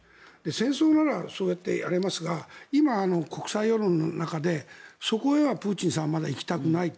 戦争ならそうやってやれますが今、国際世論の中でそこへはプーチンさんはまだ行きたくない。